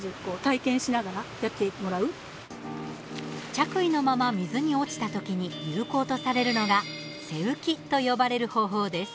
着衣のまま水に落ちた時に有効とされるのが背浮きと呼ばれる方法です。